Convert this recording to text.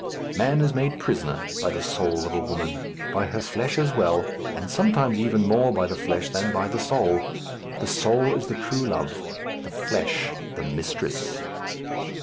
Man is made prisoner by the soul of a woman; by her flesh as well, and sometimes even more by the flesh than by the soul. The soul is the true love, the flesh, the mistress.